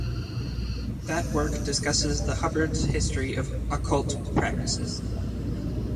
That work discusses the Hubbards' history of occult practices.